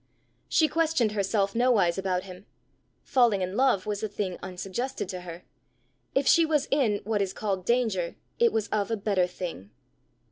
She questioned herself nowise about him. Falling in love was a thing unsuggested to her; if she was in what is called danger, it was of a better thing.